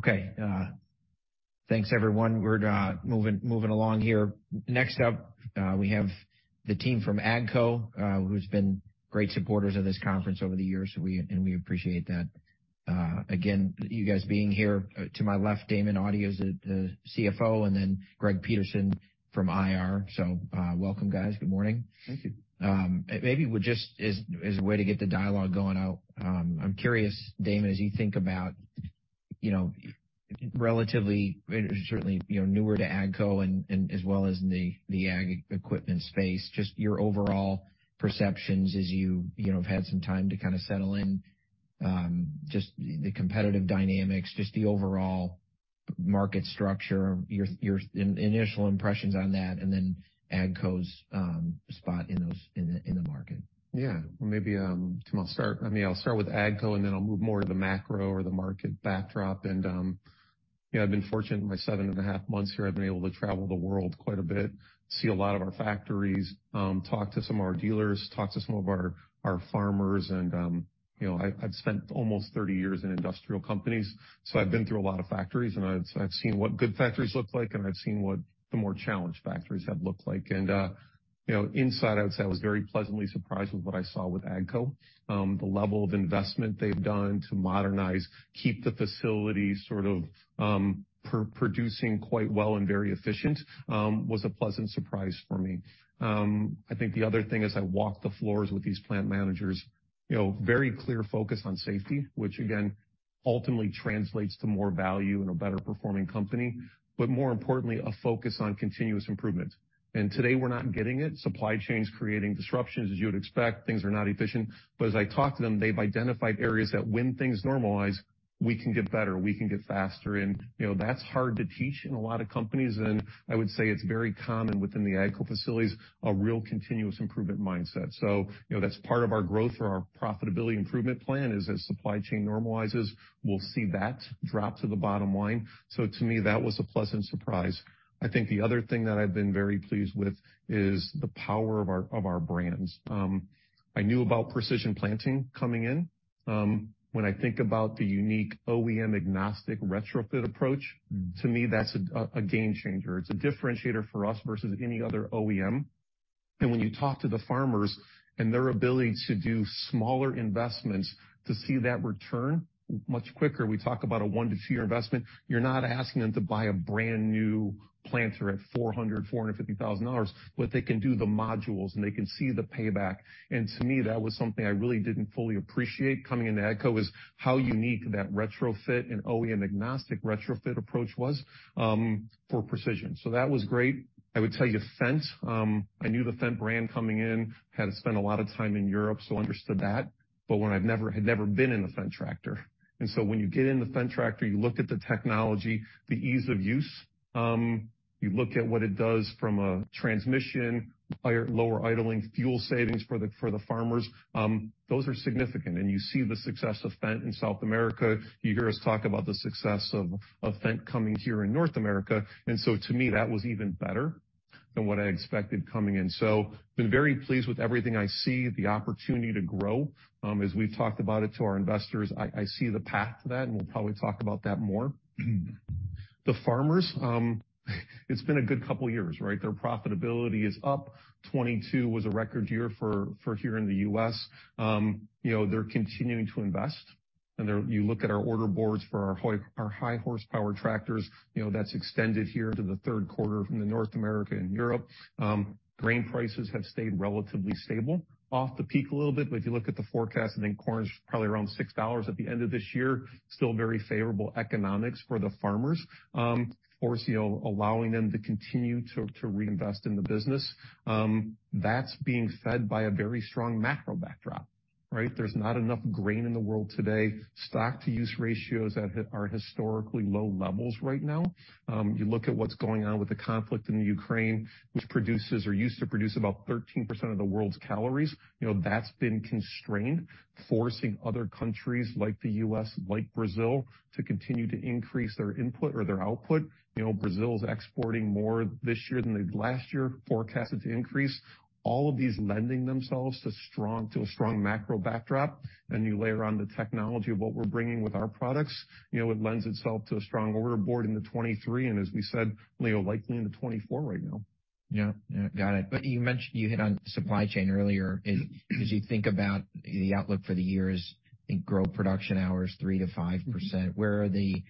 Okay. Thanks everyone. We're moving along here. Next up, we have the team from AGCO, who's been great supporters of this conference over the years, and we appreciate that. Again, you guys being here. To my left, Damon Audia is the CFO, and then Greg Peterson from IR. Welcome, guys. Good morning. Thank you. Maybe we just as a way to get the dialogue going, I'll, I'm curious, Damon, as you think about, you know, relatively, certainly, you know, newer to AGCO and, as well as the ag equipment space, just your overall perceptions as you know, have had some time to kind of settle in, just the competitive dynamics, just the overall market structure, your initial impressions on that, and then AGCO's spot in the market? Yeah. Well, maybe, I mean, I'll start with AGCO, then I'll move more to the macro or the market backdrop. Yeah, I've been fortunate in my 7.5 months here, I've been able to travel the world quite a bit, see a lot of our factories, talk to some of our dealers, talk to some of our farmers. You know, I've spent almost 30 years in industrial companies, so I've been through a lot of factories, and I've seen what good factories look like, and I've seen what the more challenged factories have looked like. You know, inside, outside, I was very pleasantly surprised with what I saw with AGCO. The level of investment they've done to modernize, keep the facility sort of, pro-producing quite well and very efficient, was a pleasant surprise for me. I think the other thing, as I walked the floors with these plant managers, you know, very clear focus on safety, which again, ultimately translates to more value and a better performing company, but more importantly, a focus on continuous improvement. Today, we're not getting it. Supply chains creating disruptions. As you would expect, things are not efficient. As I talk to them, they've identified areas that when things normalize, we can get better, we can get faster. You know, that's hard to teach in a lot of companies. I would say it's very common within the AGCO facilities, a real continuous improvement mindset. you know, that's part of our growth or our profitability improvement plan, is as supply chain normalizes, we'll see that drop to the bottom line. To me, that was a pleasant surprise. I think the other thing that I've been very pleased with is the power of our brands. I knew about Precision Planting coming in. When I think about the unique OEM-agnostic retrofit approach, to me that's a game changer. It's a differentiator for us versus any other OEM. When you talk to the farmers and their ability to do smaller investments to see that return much quicker, we talk about a 1 year-2 year investment. You're not asking them to buy a brand-new planter at $450,000, but they can do the modules and they can see the payback. To me, that was something I really didn't fully appreciate coming into AGCO, is how unique that retrofit and OEM-agnostic retrofit approach was for precision. That was great. I would tell you Fendt, I knew the Fendt brand coming in, had spent a lot of time in Europe, so understood that. When I had never been in a Fendt tractor. When you get in the Fendt tractor, you look at the technology, the ease of use, you look at what it does from a transmission, lower idling, fuel savings for the farmers, those are significant. You see the success of Fendt in South America. You hear us talk about the success of Fendt coming here in North America. To me, that was even better than what I expected coming in. Been very pleased with everything I see, the opportunity to grow. As we've talked about it to our investors, I see the path to that, and we'll probably talk about that more. The farmers, it's been a good couple years, right? Their profitability is up. 2022 was a record year for here in the U.S. You know, they're continuing to invest. You look at our order boards for our high horsepower tractors, you know, that's extended here to the third quarter from the North America and Europe. Grain prices have stayed relatively stable, off the peak a little bit. If you look at the forecast, I think corn is probably around $6 at the end of this year. Still very favorable economics for the farmers. Of course, you know, allowing them to continue to reinvest in the business. That's being fed by a very strong macro backdrop, right? There's not enough grain in the world today. stocks-to-use ratios are historically low levels right now. You look at what's going on with the conflict in Ukraine, which produces or used to produce about 13% of the world's calories. You know, that's been constrained, forcing other countries like the U.S, like Brazil, to continue to increase their input or their output. You know, Brazil is exporting more this year than they did last year, forecasted to increase. All of these lending themselves to strong, to a strong macro backdrop. You layer on the technology of what we're bringing with our products, you know, it lends itself to a strong order board into 2023, and as we said, you know, likely into 2024 right now. Yeah, got it. You mentioned you hit on supply chain earlier. As you think about the outlook for the years, I think growth production hours, 3%-5%. Where are the,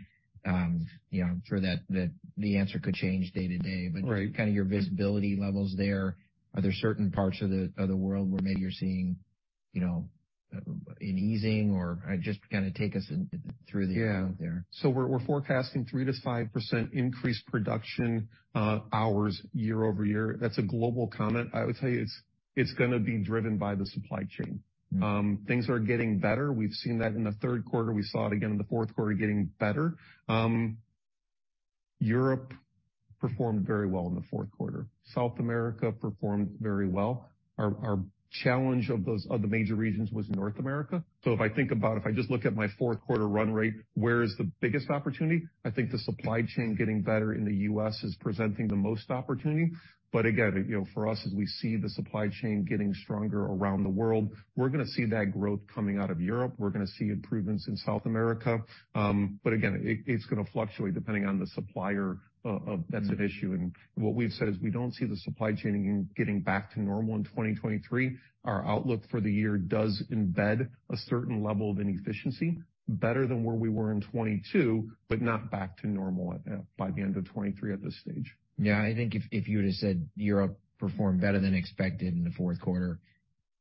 you know, for that, the answer could change day to day. Right. Kind of your visibility levels there. Are there certain parts of the world where maybe you're seeing, you know, an easing or just kinda take us through? Yeah. -there. We're forecasting 3%-5% increased production hours year-over-year. That's a global comment. I would tell you it's gonna be driven by the supply chain. Things are getting better. We've seen that in the third quarter. We saw it again in the fourth quarter getting better. Europe performed very well in the fourth quarter. South America performed very well. Our challenge of those other major regions was North America. If I think about if I just look at my fourth quarter run rate, where is the biggest opportunity? I think the supply chain getting better in the U.S. is presenting the most opportunity. Again, you know, for us, as we see the supply chain getting stronger around the world, we're gonna see that growth coming out of Europe. We're gonna see improvements in South America. Again, it's gonna fluctuate depending on the supplier. That's an issue. What we've said is we don't see the supply chain getting back to normal in 2023. Our outlook for the year does embed a certain level of inefficiency better than where we were in 2022, but not back to normal at by the end of 2023 at this stage. Yeah, I think if you would have said Europe performed better than expected in the fourth quarter,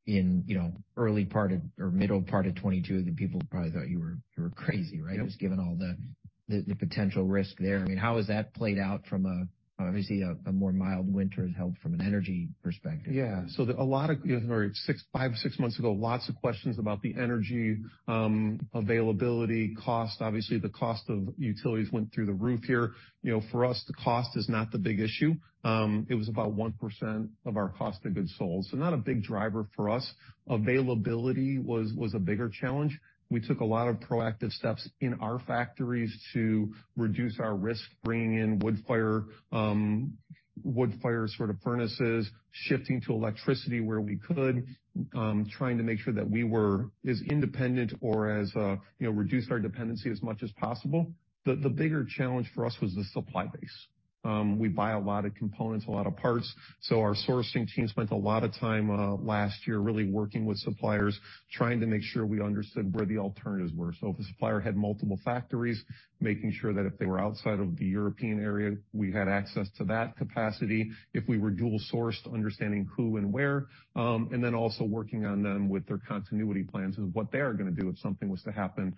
you know, early part of or middle part of 2022, the people probably thought you were crazy, right? Yep. Just given all the potential risk there, I mean, how has that played out from a obviously a more mild winter has helped from an energy perspective? Yeah. A lot of, you know, six, five, six months ago, lots of questions about the energy availability cost. Obviously, the cost of utilities went through the roof here. You know, for us, the cost is not the big issue. It was about 1% of our cost of goods sold, so not a big driver for us. Availability was a bigger challenge. We took a lot of proactive steps in our factories to reduce our risk, bringing in wood fire, wood fire sort of furnaces, shifting to electricity where we could, trying to make sure that we were as independent or as, you know, reduce our dependency as much as possible. The bigger challenge for us was the supply base. We buy a lot of components, a lot of parts, so our sourcing team spent a lot of time last year really working with suppliers, trying to make sure we understood where the alternatives were. If a supplier had multiple factories, making sure that if they were outside of the European area, we had access to that capacity. If we were dual sourced, understanding who and where, and then also working on them with their continuity plans and what they are gonna do if something was to happen.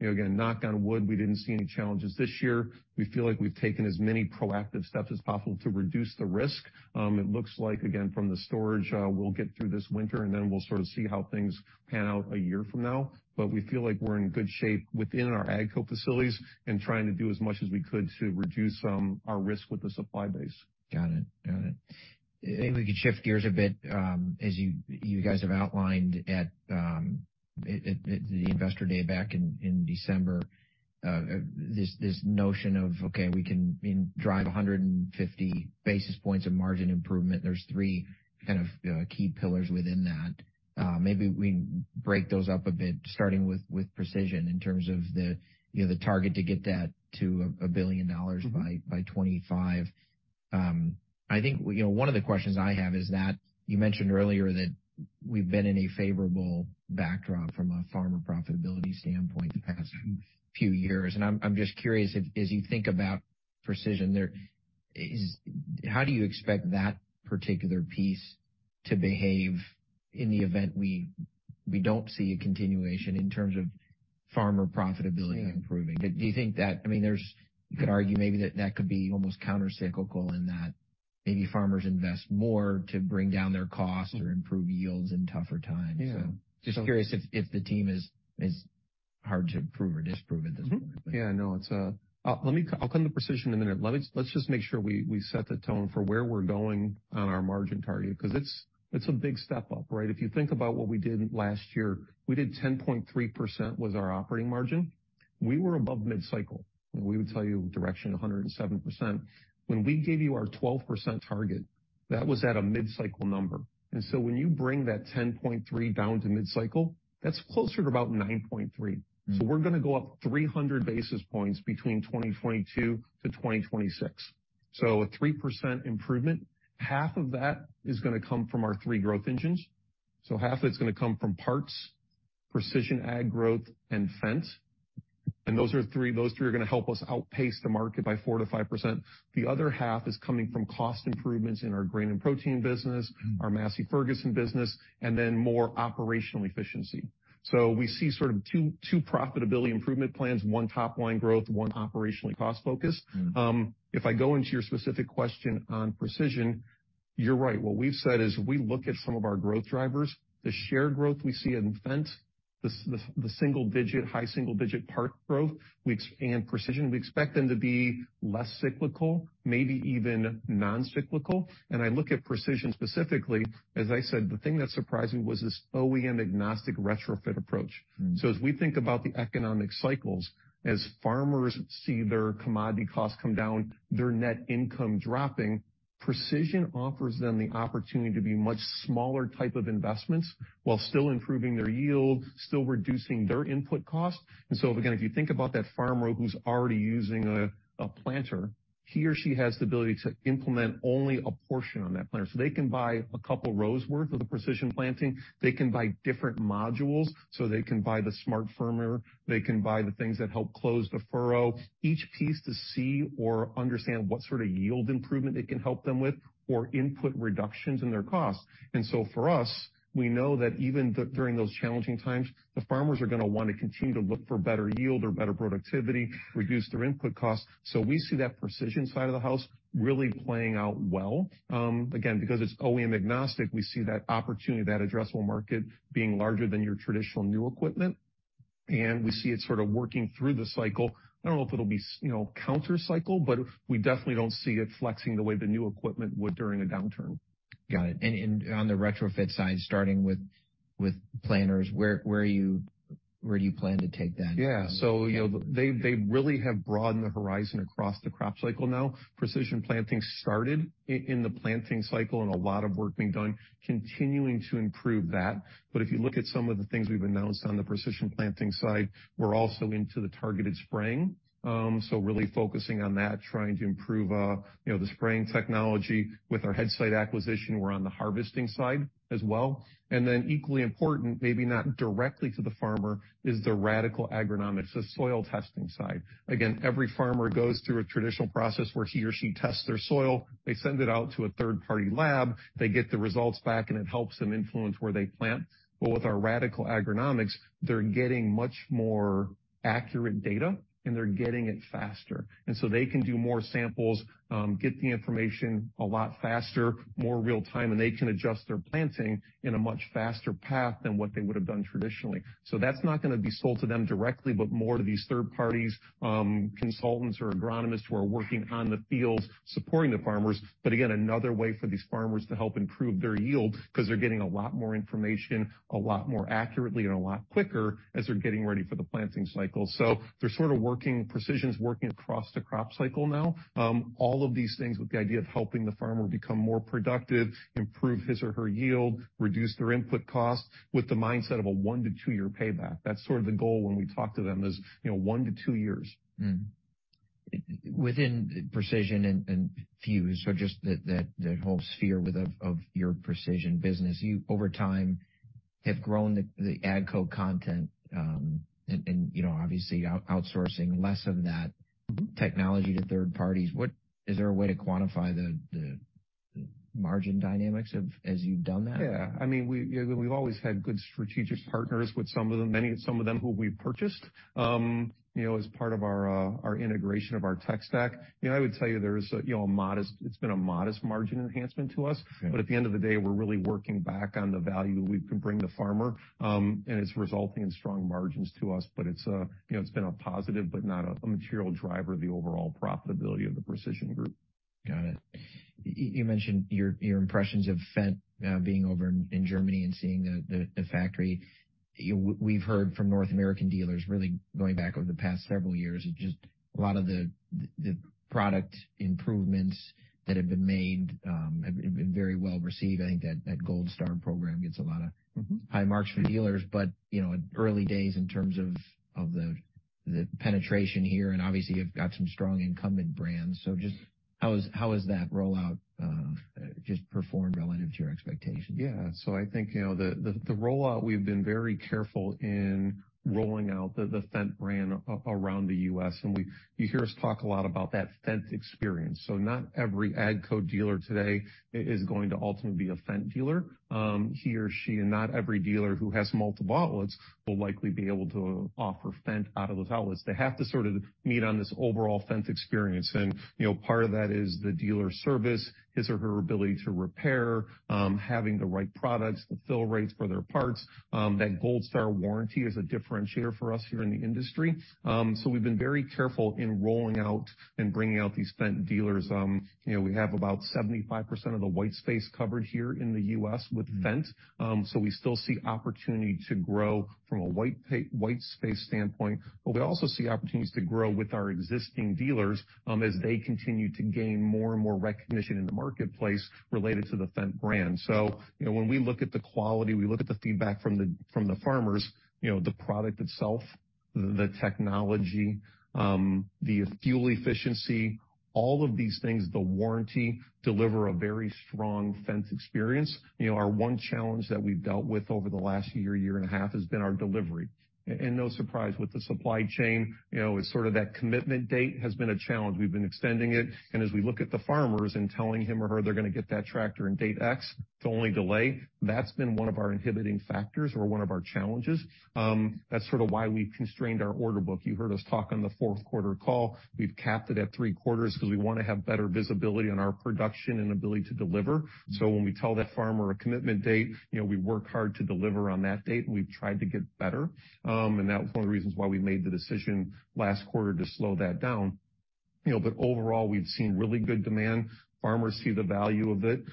You know, again, knock on wood, we didn't see any challenges this year. We feel like we've taken as many proactive steps as possible to reduce the risk. It looks like again from the storage, we'll get through this winter, and then we'll sort of see how things pan out a year from now. We feel like we're in good shape within our AGCO facilities and trying to do as much as we could to reduce some, our risk with the supply base. Got it. Got it. If we could shift gears a bit, as you guys have outlined at the Investor Day back in December, this notion of, okay, we can drive 150 basis points of margin improvement. There's three kind of key pillars within that. Maybe we break those up a bit, starting with precision in terms of the, you know, the target to get that to $1 billion by 2025. I think, you know, one of the questions I have is that you mentioned earlier that we've been in a favorable backdrop from a farmer profitability standpoint the past few years. I'm just curious, as you think about precision, how do you expect that particular piece to behave in the event we don't see a continuation in terms of farmer profitability improving? Yeah. Do you think that, I mean, you could argue maybe that that could be almost countercyclical in that maybe farmers invest more to bring down their costs or improve yields in tougher times? Yeah. just curious if the team is hard to prove or disprove at this point? Yeah, no, it's. I'll come to precision in a minute. Let's just make sure we set the tone for where we're going on our margin target, 'cause it's a big step up, right? If you think about what we did last year, we did 10.3% was our operating margin. We were above mid-cycle. You know, we would tell you direction 107%. When we gave you our 12% target, that was at a mid-cycle number. When you bring that 10.3% down to mid-cycle, that's closer to about 9.3 We're going to go up 300 basis points between 2022-2026. A 3% improvement. Half of that is going to come from our 3 growth engines. Half of it's going to come from parts, precision ag growth and Fendt. Those are 3. Those 3 are going to help us outpace the market by 4%-5%. The other half is coming from cost improvements in our Grain & Protein business. Our Massey Ferguson business and then more operational efficiency. We see sort of two profitability improvement plans, one top line growth, one operationally cost focus If I go into your specific question on precision, you're right. What we've said is we look at some of our growth drivers, the shared growth we see in Fendt, the single digit, high single-digit part growth, and precision, we expect them to be less cyclical, maybe even non-cyclical. I look at precision specifically, as I said, the thing that surprised me was this OEM-agnostic retrofit approach. As we think about the economic cycles, as farmers see their commodity costs come down, their net income dropping, precision offers them the opportunity to be much smaller type of investments while still improving their yield, still reducing their input costs. Again, if you think about that farmer who's already using a planter, he or she has the ability to implement only a portion on that planter. They can buy a couple rows worth of the Precision Planting. They can buy different modules, they can buy the SmartFirmer. They can buy the things that help close the furrow. Each piece to see or understand what sort of yield improvement it can help them with or input reductions in their costs. For us, we know that even during those challenging times, the farmers are gonna wanna continue to look for better yield or better productivity, reduce their input costs. We see that precision side of the house really playing out well. Again, because it's OEM-agnostic, we see that opportunity, that addressable market being larger than your traditional new equipment. We see it sort of working through the cycle. I don't know if it'll be you know, counter-cycle, but we definitely don't see it flexing the way the new equipment would during a downturn. Got it. On the retrofit side, starting with planters, where do you plan to take that? You know, they really have broadened the horizon across the crop cycle now. Precision Planting started in the planting cycle, and a lot of work being done continuing to improve that. If you look at some of the things we've announced on the Precision Planting side, we're also into the targeted spraying. Really focusing on that, trying to improve, you know, the spraying technology. With our Headsight acquisition, we're on the harvesting side as well. Equally important, maybe not directly to the farmer, is the Radicle Agronomics, the soil testing side. Again, every farmer goes through a traditional process where he or she tests their soil, they send it out to a third-party lab, they get the results back, and it helps them influence where they plant. With our Radicle Agronomics, they're getting much more accurate data, and they're getting it faster. They can do more samples, get the information a lot faster, more real-time, and they can adjust their planting in a much faster path than what they would have done traditionally. That's not gonna be sold to them directly, but more to these third parties, consultants or agronomists who are working on the field supporting the farmers. Again, another way for these farmers to help improve their yield 'cause they're getting a lot more information, a lot more accurately and a lot quicker as they're getting ready for the planting cycle. Precision's working across the crop cycle now. All of these things with the idea of helping the farmer become more productive, improve his or her yield, reduce their input costs with the mindset of a 1 year-2 year payback. That's sort of the goal when we talk to them is, you know, 1 year-2 years. Within Precision and Fuse or just the whole sphere of your Precision business, you over time have grown the AGCO content, and, you know, obviously outsourcing less of that technology to third parties. Is there a way to quantify the margin dynamics of as you've done that? Yeah. I mean, we, you know, we've always had good strategic partners with some of them, many of some of them who we purchased, you know, as part of our integration of our tech stack. You know, I would tell you there's, you know, it's been a modest margin enhancement to us. Okay. At the end of the day, we're really working back on the value we can bring the farmer, and it's resulting in strong margins to us. It's, you know, it's been a positive but not a material driver of the overall profitability of the Precision group. Got it. You mentioned your impressions of Fendt being over in Germany and seeing the factory. We've heard from North American dealers really going back over the past several years. Just a lot of the product improvements that have been made have been very well received. I think that Gold Star program gets a lot of high marks from dealers. But, you know, early days in terms of the penetration here and obviously you've got some strong incumbent brands. So just how is that rollout just performed relative to your expectations? I think, you know, the, the rollout, we've been very careful in rolling out the Fendt brand around the U.S. You hear us talk a lot about that Fendt experience. Not every AGCO dealer today is going to ultimately be a Fendt dealer, he or she. Not every dealer who has multiple outlets will likely be able to offer Fendt out of those outlets. They have to sort of meet on this overall Fendt experience. You know, part of that is the dealer service, his or her ability to repair, having the right products, the fill rates for their parts. That Gold Star warranty is a differentiator for us here in the industry. We've been very careful in rolling out and bringing out these Fendt dealers. You know, we have about 75% of the white space covered here in the U.S. with Fendt. We still see opportunity to grow from a white space standpoint, but we also see opportunities to grow with our existing dealers, as they continue to gain more and more recognition in the marketplace related to the Fendt brand. You know, when we look at the quality, we look at the feedback from the, from the farmers, you know, the product itself, the technology, the fuel efficiency, all of these things, the warranty, deliver a very strong Fendt experience. You know, our one challenge that we've dealt with over the last year and a half has been our delivery. No surprise with the supply chain, you know, it's sort of that commitment date has been a challenge. We've been extending it. As we look at the farmers and telling him or her they're gonna get that tractor in date X, it's only delay. That's been one of our inhibiting factors or one of our challenges. That's sort of why we've constrained our order book. You heard us talk on the fourth quarter call. We've capped it at three quarters 'cause we wanna have better visibility on our production and ability to deliver. When we tell that farmer a commitment date, you know, we work hard to deliver on that date, and we've tried to get better. And that was one of the reasons why we made the decision last quarter to slow that down. Overall, we've seen really good demand. Farmers see the value of it,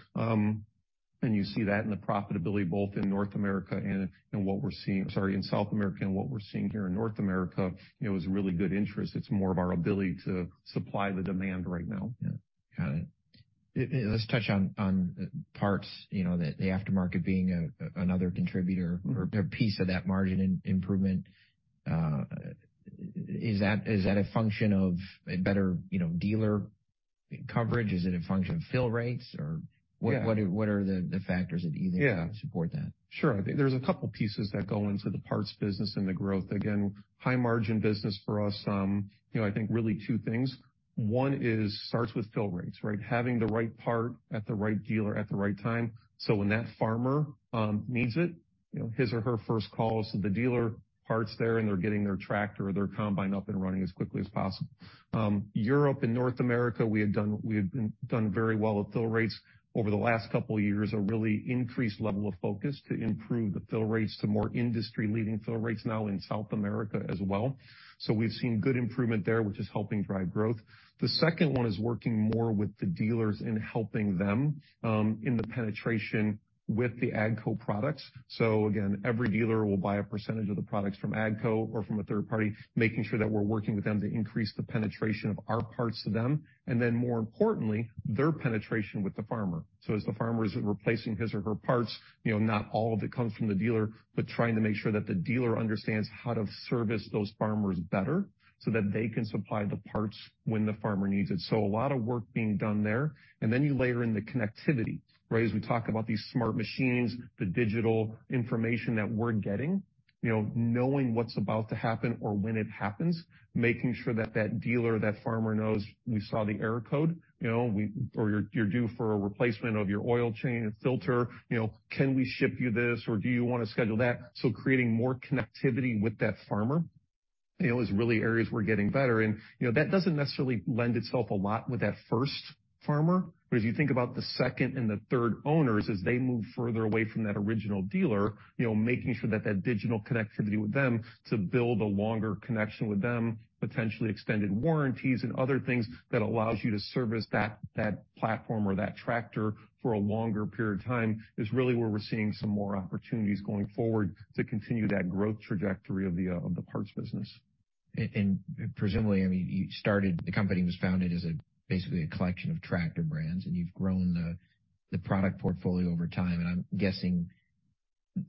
and you see that in the profitability both in North America and in what we're seeing... Sorry, in South America and what we're seeing here in North America, you know, is really good interest. It's more of our ability to supply the demand right now. Yeah. Got it. Let's touch on parts, you know, the aftermarket being another contributor or a piece of that margin improvement. Is that a function of a better, you know, dealer coverage? Is it a function of fill rates? What are the factors that either support that? Sure. There's a couple pieces that go into the parts business and the growth. Again, high margin business for us. you know, I think really 2 things. One is starts with fill rates, right? Having the right part at the right dealer at the right time, so when that farmer needs it, you know, his or her first call is to the dealer. Part's there, and they're getting their tractor or their combine up and running as quickly as possible. Europe and North America, we had done very well at fill rates over the last couple of years, a really increased level of focus to improve the fill rates to more industry-leading fill rates now in South America as well. We've seen good improvement there, which is helping drive growth. The second one is working more with the dealers and helping them in the penetration with the AGCO products. Again, every dealer will buy a percentage of the products from AGCO or from a third party, making sure that we're working with them to increase the penetration of our parts to them, and then more importantly, their penetration with the farmer. As the farmer is replacing his or her parts, you know, not all of it comes from the dealer, but trying to make sure that the dealer understands how to service those farmers better so that they can supply the parts when the farmer needs it. A lot of work being done there. Then you layer in the connectivity, right? As we talk about these smart machines, the digital information that we're getting, you know, knowing what's about to happen or when it happens, making sure that dealer, that farmer knows we saw the error code, you know, you're due for a replacement of your oil change and filter. You know, can we ship you this, or do you wanna schedule that? Creating more connectivity with that farmer, you know, is really areas we're getting better. You know, that doesn't necessarily lend itself a lot with that first farmer. As you think about the second and the third owners, as they move further away from that original dealer, you know, making sure that that digital connectivity with them to build a longer connection with them, potentially extended warranties and other things that allows you to service that platform or that tractor for a longer period of time is really where we're seeing some more opportunities going forward to continue that growth trajectory of the parts business. Presumably, I mean, you started the company was founded as a basically a collection of tractor brands, and you've grown the product portfolio over time, and I'm guessing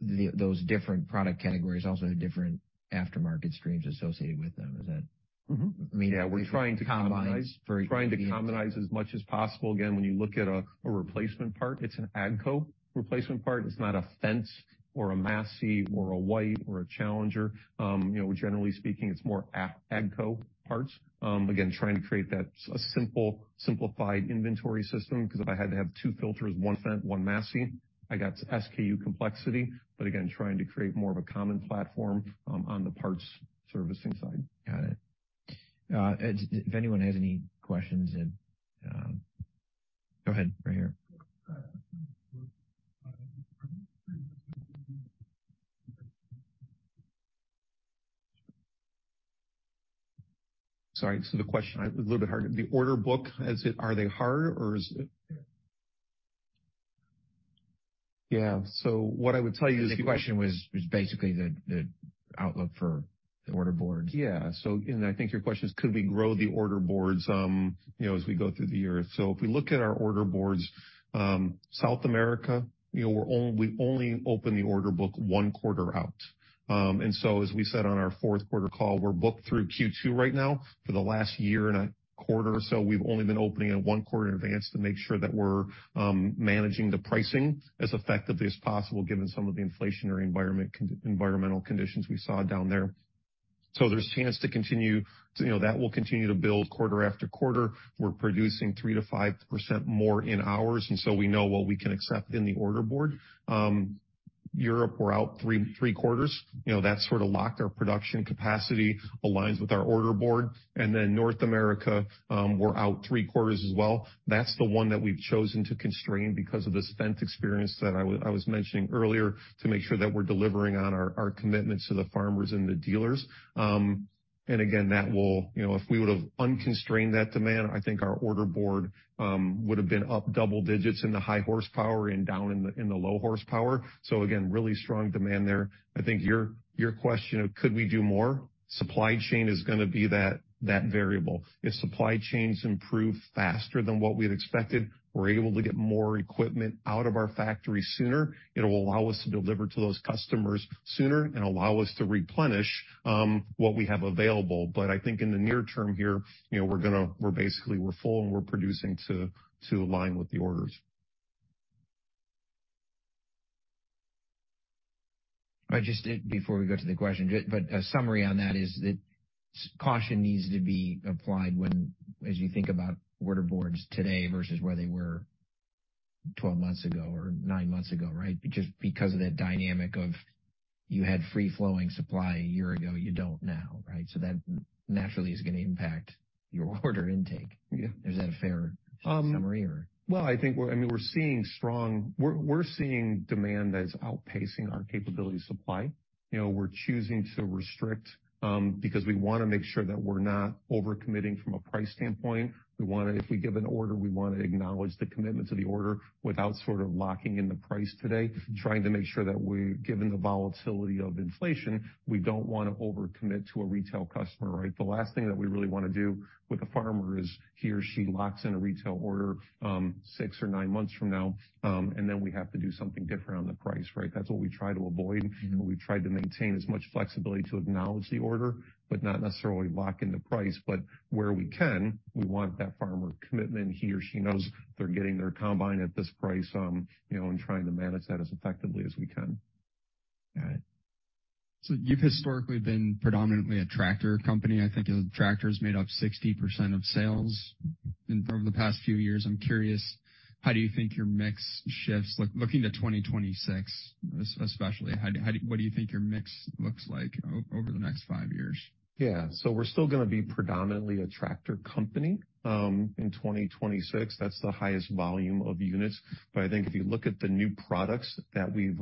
those different product categories also have different aftermarket streams associated with them. Is that? Mm-hmm. I mean- Yeah. We're trying to commonize. Trying to commonize as much as possible. When you look at a replacement part, it's an AGCO replacement part. It's not a Fendt or a Massey or a White or a Challenger. You know, generally speaking, it's more AGCO parts. Trying to create that simple, simplified inventory system, 'cause if I had to have 2 filters, one Fendt, one Massey, I got SKU complexity. Again, trying to create more of a common platform on the parts servicing side. Got it. If anyone has any questions, then go ahead. Right here. Sorry. The question, a little bit hard. The order book, is it, are they hard or is it? Yeah. What I would tell you is- The question was basically the outlook for the order board. I think your question is could we grow the order boards, you know, as we go through the year. If we look at our order boards, South America, you know, we only open the order book one quarter out. As we said on our fourth quarter call, we're booked through Q2 right now. For the last year and a quarter or so, we've only been opening at one quarter in advance to make sure that we're managing the pricing as effectively as possible, given some of the inflationary environmental conditions we saw down there. There's a chance to continue. You know, that will continue to build quarter after quarter. We're producing 3%-5% more in hours, we know what we can accept in the order board. Europe, we're out 3 quarters. You know, that's sort of locked. Our production capacity aligns with our order board. North America, we're out 3 quarters as well. That's the one that we've chosen to constrain because of this Fendt experience that I was mentioning earlier to make sure that we're delivering on our commitments to the farmers and the dealers. You know, if we would've unconstrained that demand, I think our order board would've been up double digits in the high horsepower and down in the, in the low horsepower. Again, really strong demand there. I think your question of could we do more, supply chain is gonna be that variable. If supply chains improve faster than what we had expected, we're able to get more equipment out of our factory sooner, it'll allow us to deliver to those customers sooner and allow us to replenish what we have available. I think in the near term here, you know, we're basically we're full, and we're producing to align with the orders. I just did before we go to the question. A summary on that is that caution needs to be applied when as you think about order boards today versus where they were 12 months ago or 9 months ago, right? Because of that dynamic of you had free-flowing supply a year ago, you don't now, right? That naturally is going to impact your order intake. Yeah. Is that a fair summary or? Well, I think we're, I mean, we're seeing strong demand that is outpacing our capability to supply. You know, we're choosing to restrict because we wanna make sure that we're not over-committing from a price standpoint. If we give an order, we wanna acknowledge the commitment to the order without sort of locking in the price today, trying to make sure that we, given the volatility of inflation, we don't wanna over-commit to a retail customer, right? The last thing that we really wanna do with a farmer is he or she locks in a retail order six or nine months from now, and then we have to do something different on the price, right? That's what we try to avoid. We try to maintain as much flexibility to acknowledge the order but not necessarily lock in the price. Where we can, we want that farmer commitment. He or she knows they're getting their combine at this price, you know, and trying to manage that as effectively as we can. Got it. You've historically been predominantly a tractor company. I think tractors made up 60% of sales over the past few years. I'm curious, how do you think your mix shifts? Looking to 2026, especially, how do you what do you think your mix looks like over the next five years? We're still gonna be predominantly a tractor company in 2026. That's the highest volume of units. I think if you look at the new products that we've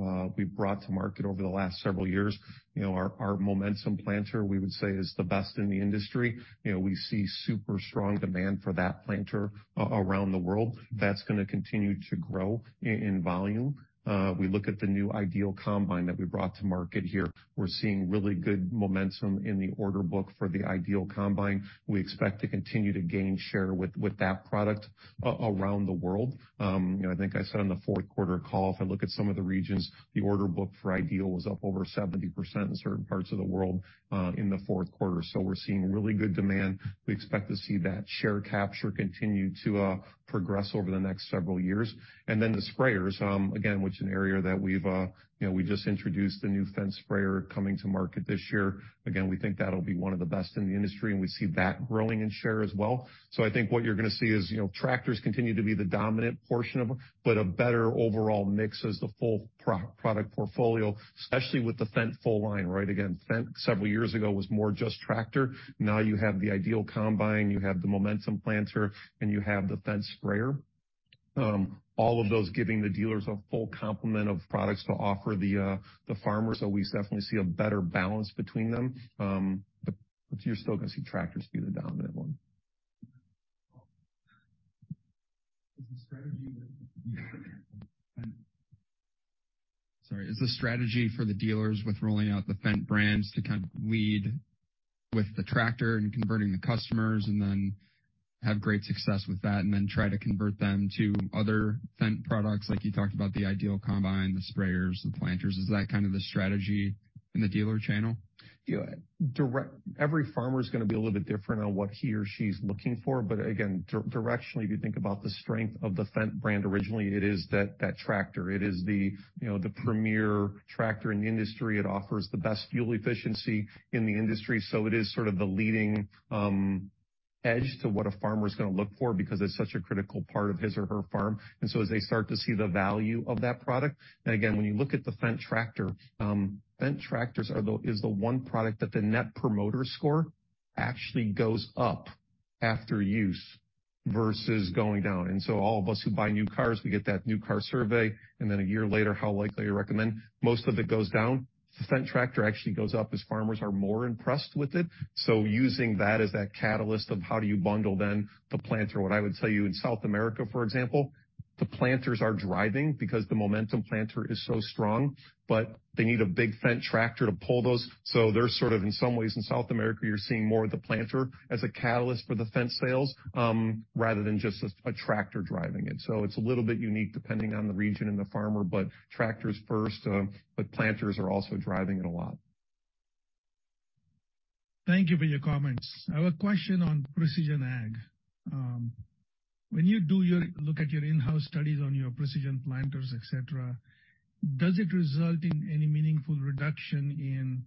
brought to market over the last several years, you know, our Momentum Planter, we would say, is the best in the industry. You know, we see super strong demand for that planter around the world. That's gonna continue to grow in volume. We look at the new IDEAL combine that we brought to market here. We're seeing really good momentum in the order book for the IDEAL combine. We expect to continue to gain share with that product around the world. You know, I think I said on the fourth quarter call, if I look at some of the regions, the order book for IDEAL was up over 70% in certain parts of the world in the fourth quarter. We're seeing really good demand. We expect to see that share capture continue to progress over the next several years. The sprayers, again, which is an area that we've, you know, we just introduced the new Fendt Rogator coming to market this year. Again, we think that'll be one of the best in the industry, and we see that growing in share as well. I think what you're gonna see is, you know, tractors continue to be the dominant portion of them, but a better overall mix as the full product portfolio, especially with the Fendt full line. Right? Fendt several years ago was more just tractor. Now you have the IDEAL combine, you have the Momentum Planter, and you have the Fendt Rogator. All of those giving the dealers a full complement of products to offer the farmers. We definitely see a better balance between them. You're still gonna see tractors be the dominant one. Sorry. Is the strategy for the dealers with rolling out the Fendt brands to kind of lead with the tractor and converting the customers and then have great success with that and then try to convert them to other Fendt products, like you talked about the IDEAL combine, the sprayers, the planters? Is that kind of the strategy in the dealer channel? Yeah. Every farmer is gonna be a little bit different on what he or she's looking for. Again, directionally, if you think about the strength of the Fendt brand, originally it is that tractor. It is the, you know, the premier tractor in the industry. It offers the best fuel efficiency in the industry. It is sort of the leading edge to what a farmer's gonna look for because it's such a critical part of his or her farm. As they start to see the value of that product. Again, when you look at the Fendt tractor, Fendt tractors is the one product that the Net Promoter Score actually goes up after use versus going down. All of us who buy new cars, we get that new car survey, and then a year later, how likely to recommend, most of it goes down. The Fendt tractor actually goes up as farmers are more impressed with it. Using that as that catalyst of how do you bundle then the planter. What I would tell you in South America, for example, the planters are driving because the Momentum Planter is so strong, but they need a big Fendt tractor to pull those. They're sort of in some ways in South America, you're seeing more of the planter as a catalyst for the Fendt sales, rather than just as a tractor driving it. It's a little bit unique depending on the region and the farmer, but tractors first, but planters are also driving it a lot. Thank you for your comments. I have a question on precision ag. When you look at your in-house studies on your precision planters, et cetera, does it result in any meaningful reduction in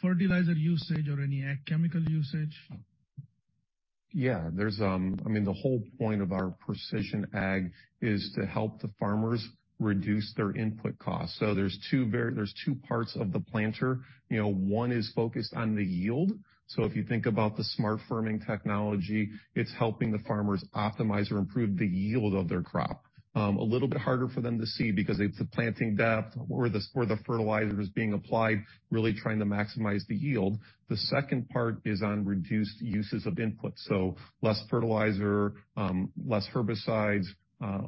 fertilizer usage or any ag chemical usage? I mean, the whole point of our precision ag is to help the farmers reduce their input costs. There's two parts of the planter. You know, one is focused on the yield. If you think about the SmartFirmer technology, it's helping the farmers optimize or improve the yield of their crop. A little bit harder for them to see because it's the planting depth or the, or the fertilizer is being applied, really trying to maximize the yield. The second part is on reduced uses of input, so less fertilizer, less herbicides.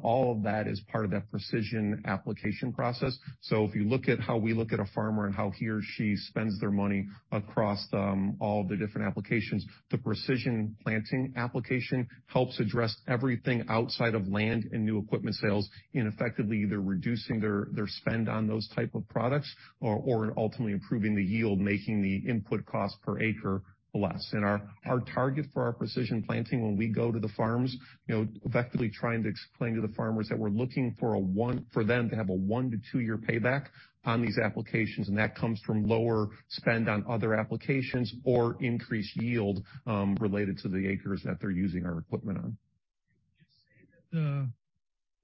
All of that is part of that precision application process. If you look at how we look at a farmer and how he or she spends their money across all the different applications, the Precision Planting application helps address everything outside of land and new equipment sales in effectively either reducing their spend on those type of products or ultimately improving the yield, making the input cost per acre less. Our target for our Precision Planting when we go to the farms, you know, effectively trying to explain to the farmers that we're looking for them to have a 1 year-2year payback on these applications, and that comes from lower spend on other applications or increased yield related to the acres that they're using our equipment on. Would you say that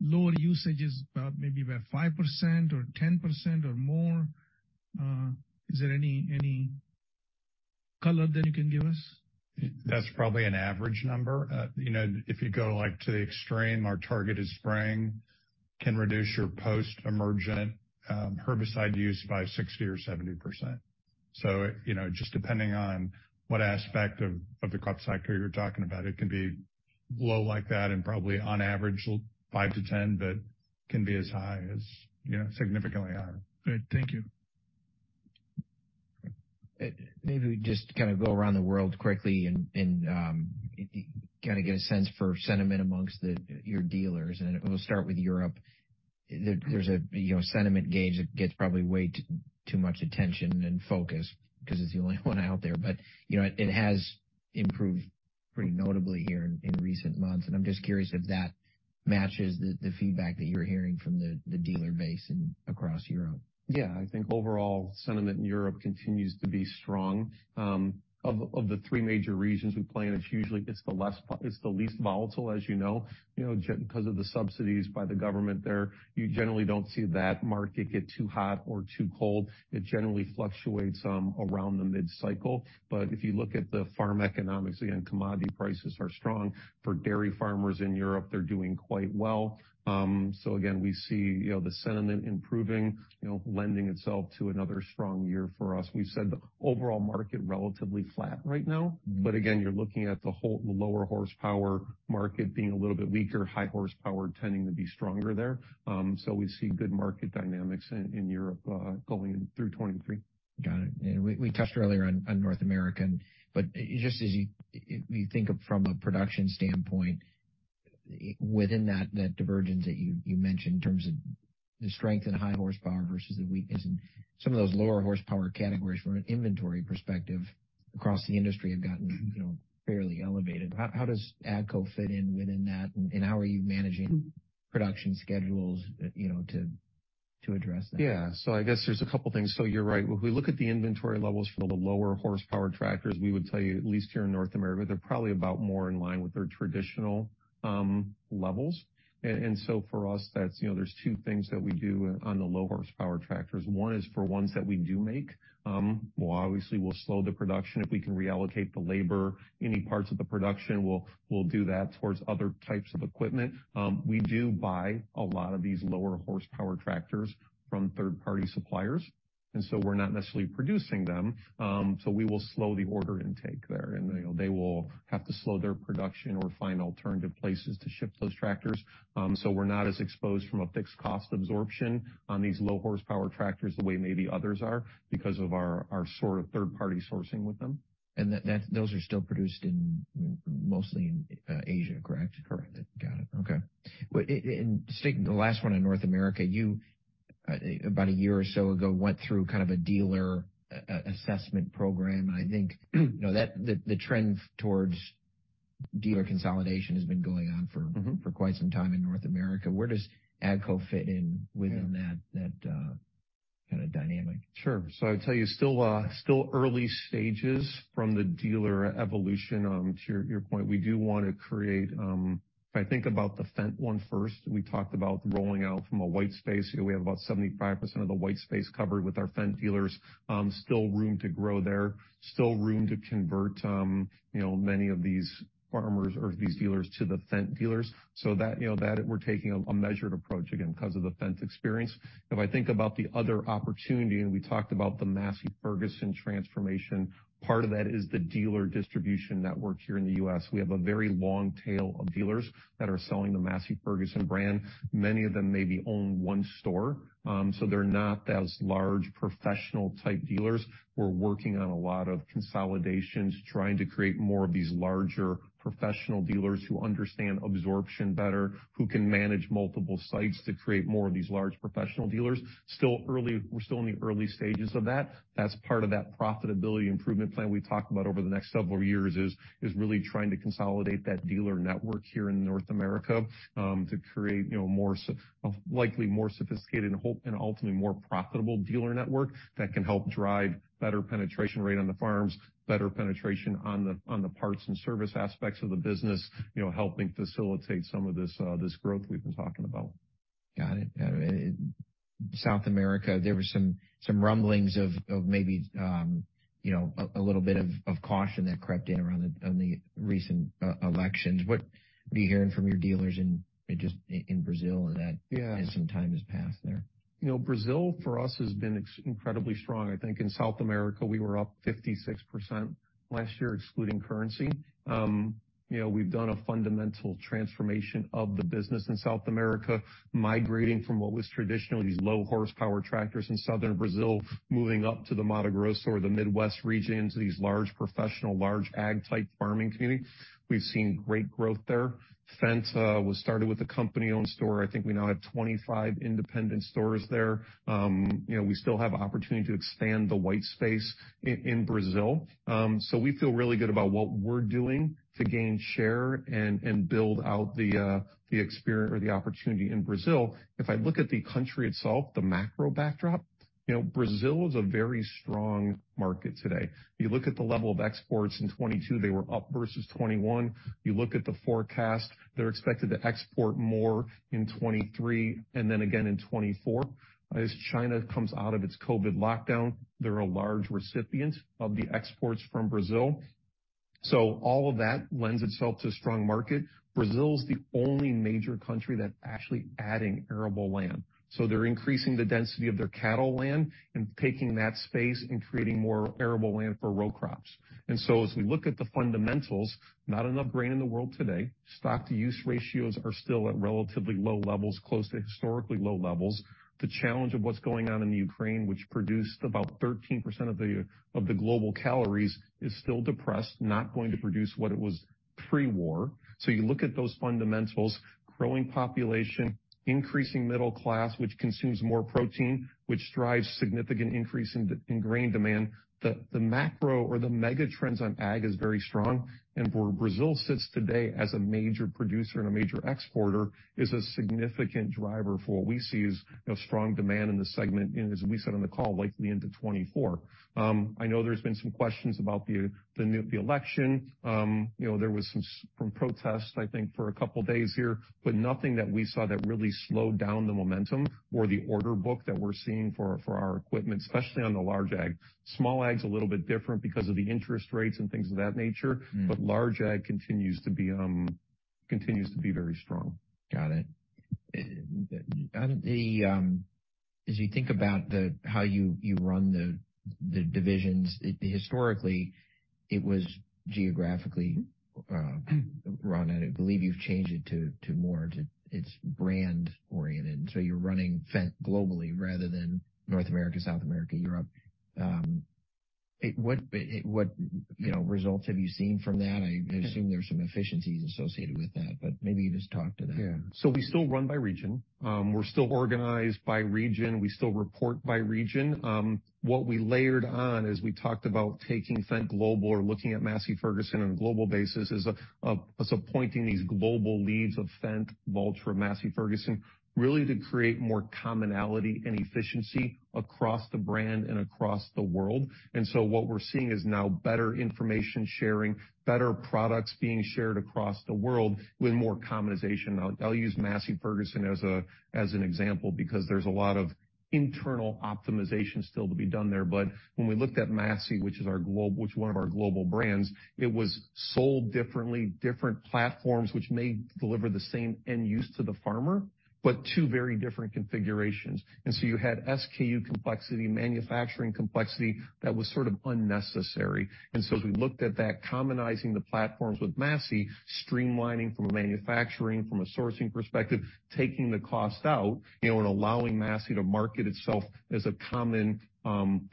the lower usage is about maybe about 5% or 10% or more? Is there any color that you can give us? That's probably an average number. you know, if you go like to the extreme, our targeted spraying can reduce your post-emergent herbicide use by 60% or 70%. You know, just depending on what aspect of the crop cycle you're talking about, it can be low like that and probably on average 5-10, but can be as high as, you know, significantly higher. Good. Thank you. Maybe we just kind of go around the world quickly and kinda get a sense for sentiment amongst your dealers. We'll start with Europe. There's a, you know, sentiment gauge that gets probably way too much attention and focus because it's the only one out there. You know, it has improved pretty notably here in recent months. I'm just curious if that matches the feedback that you're hearing from the dealer base across Europe. Yeah, I think overall sentiment in Europe continues to be strong. Of the three major regions we play in, it's usually it's the least volatile, as you know, you know, because of the subsidies by the government there, you generally don't see that market get too hot or too cold. It generally fluctuates around the mid-cycle. If you look at the farm economics, again, commodity prices are strong. For dairy farmers in Europe, they're doing quite well. Again, we see, you know, the sentiment improving, you know, lending itself to another strong year for us. We said the overall market relatively flat right now. Again, you're looking at the lower horsepower market being a little bit weaker, high horsepower tending to be stronger there. We see good market dynamics in Europe, going through 2023. Got it. We touched earlier on North America, but just as you think of from a production standpoint within that divergence that you mentioned in terms of the strength in high horsepower versus the weakness in some of those lower horsepower categories from an inventory perspective across the industry have gotten, you know, fairly elevated. How does AGCO fit in within that, and how are you managing production schedules, you know, to address that? I guess there's a couple things. You're right. If we look at the inventory levels for the lower horsepower tractors, we would tell you, at least here in North America, they're probably about more in line with their traditional levels. For us that's, you know, there's two things that we do on the low horsepower tractors. One is for ones that we do make, well, obviously, we'll slow the production. If we can reallocate the labor, any parts of the production, we'll do that towards other types of equipment. We do buy a lot of these lower horsepower tractors from third-party suppliers, and so we're not necessarily producing them. We will slow the order intake there, and, you know, they will have to slow their production or find alternative places to ship those tractors. We're not as exposed from a fixed cost absorption on these low horsepower tractors the way maybe others are because of our sort of third-party sourcing with them. Those are still produced in, mostly in, Asia, correct? Correct. Got it. Okay. Well, and sticking the last one in North America, you about a year or so ago, went through kind of a dealer assessment program. I think, you know, that the trend towards dealer consolidation has been going on for quite some time in North America. Where does AGCO fit in within that? Yeah. that, kind of dynamic? Sure. I'd tell you, still early stages from the dealer evolution. To your point, we do wanna create, if I think about the Fendt one first, we talked about rolling out from a white space. You know, we have about 75% of the white space covered with our Fendt dealers. Still room to grow there, still room to convert, you know, many of these farmers or these dealers to the Fendt dealers. That, you know, that we're taking a measured approach again 'cause of the Fendt experience. If I think about the other opportunity, we talked about the Massey Ferguson transformation, part of that is the dealer distribution network here in the U.S. We have a very long tail of dealers that are selling the Massey Ferguson brand. Many of them maybe own one store, so they're not as large professional type dealers. We're working on a lot of consolidations, trying to create more of these larger professional dealers who understand absorption better, who can manage multiple sites to create more of these large professional dealers. Still early. We're still in the early stages of that. That's part of that profitability improvement plan we talked about over the next several years is really trying to consolidate that dealer network here in North America, to create, you know, more likely more sophisticated and ultimately more profitable dealer network that can help drive better penetration rate on the farms, better penetration on the parts and service aspects of the business, you know, helping facilitate some of this growth we've been talking about. Got it. Got it. In South America, there were some rumblings of maybe, you know, a little bit of caution that crept in on the recent elections. What are you hearing from your dealers in just in Brazil as that- Yeah. as some time has passed there? You know, Brazil for us has been incredibly strong. I think in South America, we were up 56% last year, excluding currency. You know, we've done a fundamental transformation of the business in South America, migrating from what was traditionally these low horsepower tractors in southern Brazil, moving up to the Mato Grosso or the Midwest region to these large professional, large ag type farming communities. We've seen great growth there. Fendt was started with a company-owned store. I think we now have 25 independent stores there. You know, we still have opportunity to expand the white space in Brazil. We feel really good about what we're doing to gain share and build out the opportunity in Brazil. If I look at the country itself, the macro backdrop, you know, Brazil is a very strong market today. If you look at the level of exports in 2022, they were up versus 2021. If you look at the forecast, they're expected to export more in 2023 and then again in 2024. As China comes out of its COVID lockdown, they're a large recipient of the exports from Brazil. All of that lends itself to a strong market. Brazil is the only major country that's actually adding arable land, so they're increasing the density of their cattle land and taking that space and creating more arable land for row crops. As we look at the fundamentals, not enough grain in the world today. Stocks-to-use ratios are still at relatively low levels, close to historically low levels. The challenge of what's going on in the Ukraine, which produced about 13% of the global calories, is still depressed, not going to produce what it was pre-war. You look at those fundamentals, growing population, increasing middle class, which consumes more protein, which drives significant increase in grain demand. The macro or the mega trends on ag is very strong. Where Brazil sits today as a major producer and a major exporter is a significant driver for what we see as, you know, strong demand in the segment, and as we said on the call, likely into 2024. I know there's been some questions about the election. You know, there was some protests, I think, for a couple days here, but nothing that we saw that really slowed down the momentum or the order book that we're seeing for our equipment, especially on the large ag. Small ag's a little bit different because of the interest rates and things of that nature Large ag continues to be very strong. Got it. As you think about the, how you run the divisions, historically, it was geographically run. I believe you've changed it to more to it's brand oriented. You're running Fendt globally rather than North America, South America, Europe. What, what, you know, results have you seen from that? I assume there's some efficiencies associated with that, but maybe just talk to that. Yeah. We still run by region. We're still organized by region. We still report by region. What we layered on is we talked about taking Fendt global or looking at Massey Ferguson on a global basis is us appointing these global leads of Fendt, Valtra, Massey Ferguson, really to create more commonality and efficiency across the brand and across the world. What we're seeing is now better information sharing, better products being shared across the world with more commonization. I'll use Massey Ferguson as an example because there's a lot of internal optimization still to be done there. When we looked at Massey, which is one of our global brands, it was sold differently, different platforms which may deliver the same end use to the farmer, but two very different configurations. You had SKU complexity, manufacturing complexity that was sort of unnecessary. As we looked at that, commonizing the platforms with Massey, streamlining from a manufacturing, from a sourcing perspective, taking the cost out, you know, and allowing Massey to market itself as a common,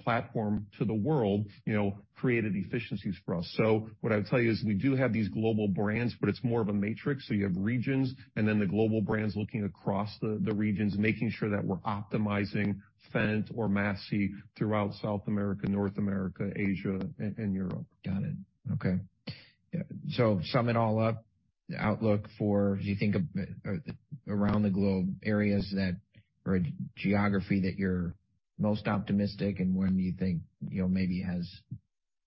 platform to the world, you know, created efficiencies for us. What I would tell you is we do have these global brands, but it's more of a matrix. You have regions and then the global brands looking across the regions, making sure that we're optimizing Fendt or Massey throughout South America, North America, Asia, and Europe. Got it. Okay. Sum it all up, outlook for as you think of around the globe, areas that or geography that you're most optimistic, and one you think, you know, maybe has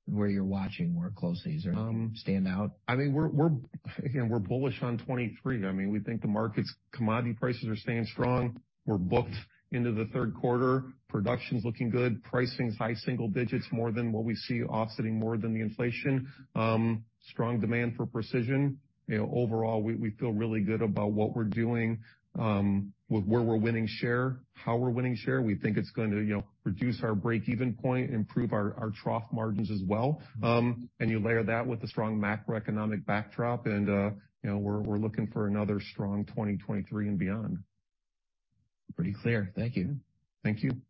where you're watching more closely. Does anything stand out? I mean, we're again, we're bullish on 2023. I mean, we think the markets commodity prices are staying strong. We're booked into the third quarter. Production's looking good. Pricing's high single digits more than what we see offsetting more than the inflation. Strong demand for precision. You know, overall, we feel really good about what we're doing with where we're winning share, how we're winning share. We think it's going to, you know, reduce our break-even point, improve our trough margins as well. You layer that with the strong macroeconomic backdrop and, you know, we're looking for another strong 2023 and beyond. Pretty clear. Thank you. Thank you.